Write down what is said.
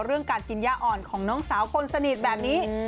เรื่องการกินย่าอ่อนของน้องสาวคนสนิทแบบนี้